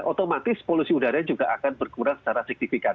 otomatis polusi udara juga akan berkurang secara signifikan